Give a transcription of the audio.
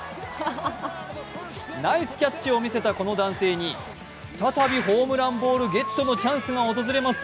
ナイスキャッチを見せた、この男性に再びホームランボールゲットのチャンスが訪れます。